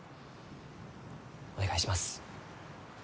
お願いします。